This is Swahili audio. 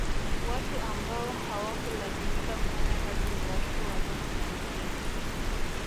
Watu ambao hawakulazimika kufanya kazi ni watoto wadogo na wazee